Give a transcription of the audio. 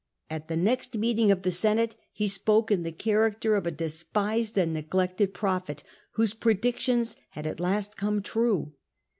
At the next meeting of the Senate he spoke in the character of a despised and neglected pi'ophet, whose predictions had at last come true.